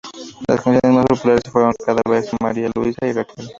Las canciones más populares fueron Cada Beso, María Luiza y Raquel.